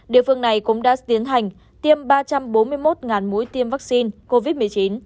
địa phương này cũng đã tiến hành tiêm ba trăm bốn mươi một mũi tiêm vaccine covid một mươi chín